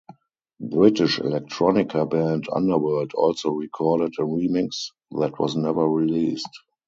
British electronica band Underworld also recorded a remix that was never released.